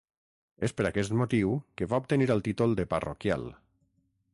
És per aquest motiu que va obtenir el títol de parroquial.